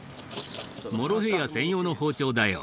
モロヘイヤ専用の包丁だよ